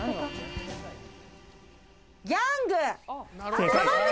ギャング。